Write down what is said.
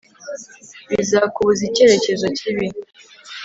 bizakubuza icyerekezo kibi